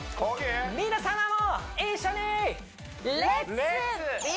皆さまも一緒に！